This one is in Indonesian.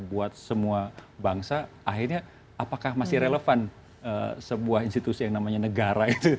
buat semua bangsa akhirnya apakah masih relevan sebuah institusi yang namanya negara itu